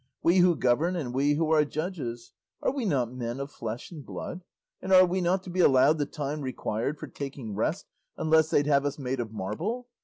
We who govern and we who are judges are we not men of flesh and blood, and are we not to be allowed the time required for taking rest, unless they'd have us made of marble?